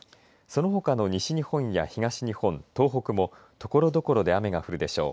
そのほかの西日本や東日本東北もところどころで雨が降るでしょう。